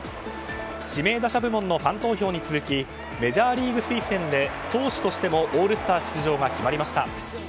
指名打者部門のファン投票に続きメジャーリーグ推薦で投手としてもオールスター出場が決まりました。